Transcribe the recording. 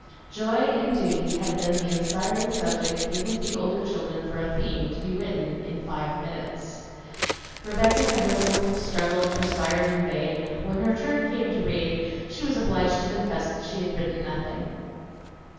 "Joy and Duty" had been the inspiring subject given to the older children for a theme to be written in five minutes. Rebecca had wrestled, struggled, perspired in vain. When her turn came to read she was obliged to confess she had written nothing.